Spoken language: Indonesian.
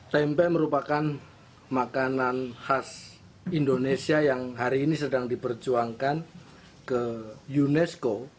tempe merupakan makanan khas indonesia yang hari ini sedang diperjuangkan ke unesco